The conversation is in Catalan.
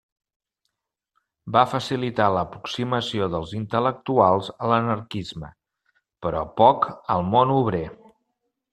Va facilitar l'aproximació dels intel·lectuals a l'anarquisme, però poc al món obrer.